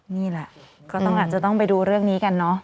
นี่แหละก็ต้องอาจจะต้องไปดูเรื่องนี้กันเนอะ